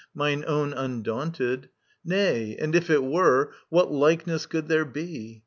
Mine own undaunted ••. Nay, and if it were, What likeness could there be